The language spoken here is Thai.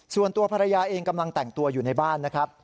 ส่วนตัวภรรยาเองกำลังแต่งตัวอยู่ในบ้านนะครับ